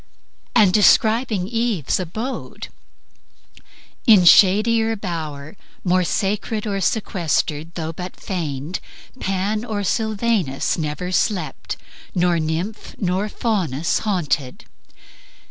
And describing Eve's abode: "... In shadier bower, More sacred or sequestered, though but feigned, Pan or Sylvanus never slept, nor nymph Nor Faunus haunted."